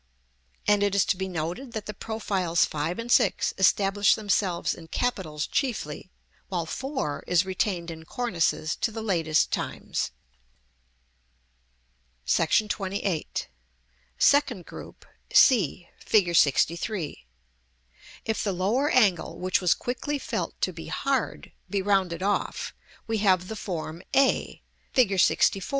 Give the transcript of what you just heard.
And it is to be noted that the profiles 5 and 6 establish themselves in capitals chiefly, while 4 is retained in cornices to the latest times. [Illustration: Fig. LXIV.] § XXVIII. Second group (c, Fig. LXIII.). If the lower angle, which was quickly felt to be hard, be rounded off, we have the form a, Fig. LXIV.